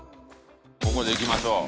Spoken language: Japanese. ここでいきましょう。